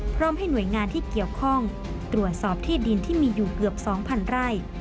พร้อมให้หน่วยงานที่เกี่ยวข้องตรวจสอบที่ดินที่มีอยู่เกือบ๒๐๐ไร่